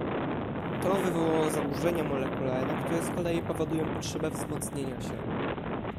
"To wywołało zaburzenia molekularne, które z kolei powodują potrzebę wzmocnienia się."